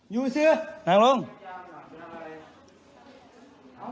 อยู่สิเดี๋ยวนานไหล